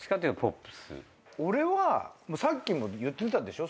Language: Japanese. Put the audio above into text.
俺はさっきも言ってたでしょ